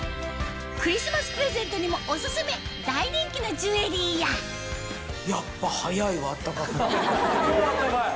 クリスマスプレゼントにもお薦め大人気のジュエリーやもう暖かい！